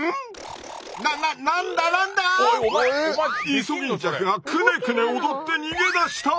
イソギンチャクがクネクネ踊って逃げ出した！